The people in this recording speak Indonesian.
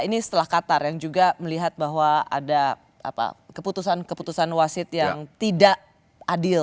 ini setelah qatar yang juga melihat bahwa ada keputusan keputusan wasit yang tidak adil